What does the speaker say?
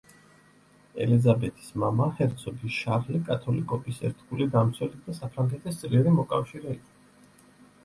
ელიზაბეთის მამა, ჰერცოგი შარლი კათოლიკობის ერთგული დამცველი და საფრანგეთის ძლიერი მოკავშირე იყო.